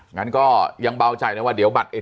เนื้อก็ยังเบาใจนะว่า